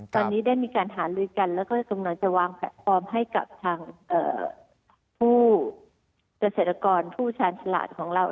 ตอนนี้ได้มีการหาลือกันแล้วก็กำลังจะวางแพลตฟอร์มให้กับทางผู้เกษตรกรผู้ชาญฉลาดของเรา